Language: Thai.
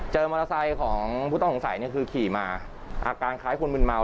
มอเตอร์ไซค์ของผู้ต้องสงสัยเนี่ยคือขี่มาอาการคล้ายคนมึนเมา